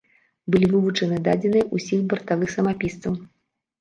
Былі вывучаны дадзеныя ўсіх бартавых самапісцаў.